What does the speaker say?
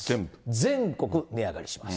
全国値上がりします。